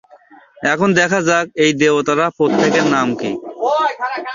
এখন দেখা যাক, এই দেবতারা প্রত্যেকের নাম কি?